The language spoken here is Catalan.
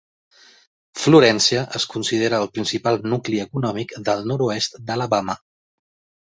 Florència es considera el principal nucli econòmic del nord-oest d'Alabama.